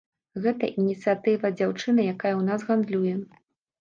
Гэта ініцыятыва дзяўчыны, якая ў нас гандлюе.